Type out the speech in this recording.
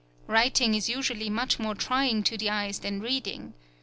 Writing is usually much more trying to the eyes than reading.